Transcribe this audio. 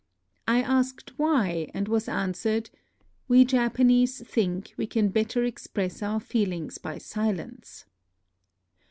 I asked why, and was answered, " We Japanese think we can better express our feelings by silence."